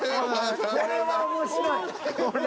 これは面白い。